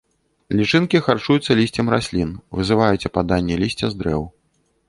Лічынкі харчуюцца лісцем раслін, вызываюць ападанне лісця з дрэў.